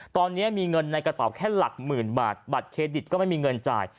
ตอนนี้มีเงินในกระเป๋าแค่หลักหมื่นบาทบัตรเครดิตก็ไม่มีเงินจ่าย